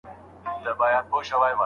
که سیاستونه عملي وي نو خلک یې ملاتړ کوي.